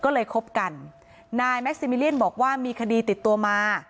ก็เลยคบกันนายแม็กซิมิเลียนบอกว่ามีคดีติดตัวมา